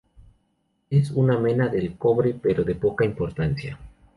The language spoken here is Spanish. Es una mena del cobre, pero de poca importancia.